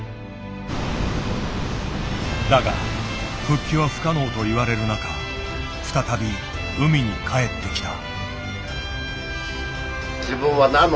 だが復帰は不可能といわれる中再び海に帰ってきた。